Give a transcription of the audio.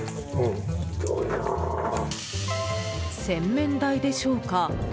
洗面台でしょうか。